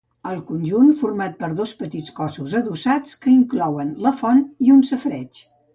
El conjunt format per dos petits cossos adossats que inclouen la font i un safareig.